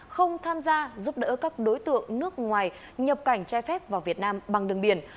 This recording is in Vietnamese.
không tham gia giúp đỡ các đối tượng nước ngoài nhập cảnh trai phép vào việt nam bằng đường biển